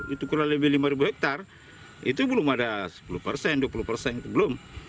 itu kurang lebih lima hektare itu belum ada sepuluh persen dua puluh persen belum